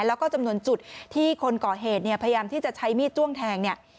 แล้วก็จำนวนจุดที่คนก่อเหตุเนี่ยพยายามที่จะใช้มีดจ้วงแทงเนี่ย